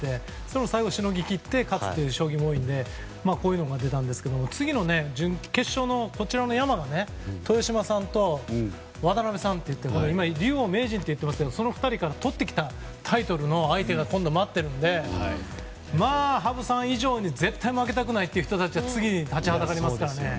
でも、最後にしのぎ切って勝つっていう将棋が多いのでこういう言葉が出たんですが次の決勝は豊島さんと渡辺さんっていって竜王・名人って言ってますけどその２人からとってきたタイトルの相手が今度は待ってるので羽生さん以上に絶対負けたくない人が次に立ちはだかりますからね。